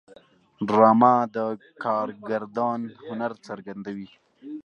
ډرامه د کارگردان هنر څرګندوي